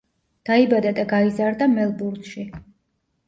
დაიბადა და გაიზარდა მელბურნში.